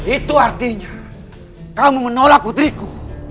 itu artinya kamu menolak putriku